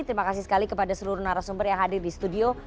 terima kasih sekali kepada seluruh narasumber yang hadir di studio